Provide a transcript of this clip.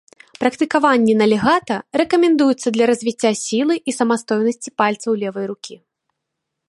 Практыкаванні на легата рэкамендуюцца для развіцця сілы і самастойнасці пальцаў левай рукі.